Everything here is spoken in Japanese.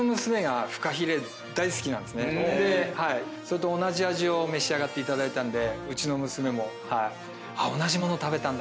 それと同じ味を召し上がっていただいたんでうちの娘も「同じ物食べたんだ！」